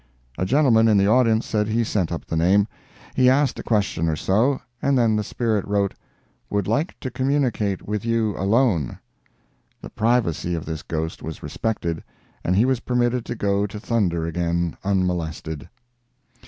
A gentleman in the audience said he sent up the name. He asked a question or so, and then the spirit wrote "Would like to communicate with you alone." The privacy of this ghost was respected, and he was permitted to go to thunder again unmolested.